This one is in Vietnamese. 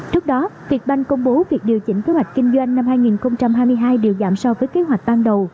trước đó việt banh công bố việc điều chỉnh kế hoạch kinh doanh năm hai nghìn hai mươi hai đều giảm so với kế hoạch ban đầu